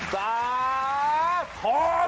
สาธน